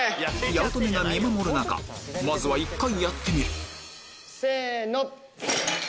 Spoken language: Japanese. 八乙女が見守る中まずは１回やってみるせの。